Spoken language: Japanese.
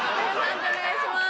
判定お願いします。